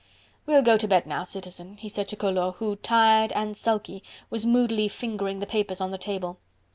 "We'll go to bed now, Citizen," he said to Collot, who, tired and sulky, was moodily fingering the papers on the table.